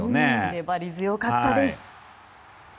粘り強かったです。